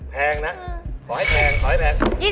ปล่อย